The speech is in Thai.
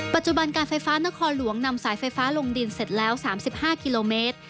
ปัจจุบันการไฟฟ้านครหลวงนำสายไฟฟ้าลงดินเสร็จแล้ว๓๕กิโลเมตร